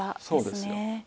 そうですよ。